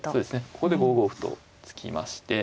ここで５五歩と突きまして。